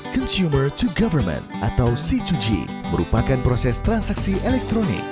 consumer to government atau c dua g merupakan proses transaksi elektronik